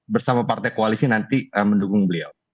bersama partai koalisi nanti mendukung beliau